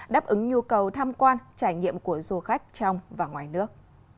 đáp ứng nhu cầu tham quan trải nghiệm của du khách trong và ngoài nước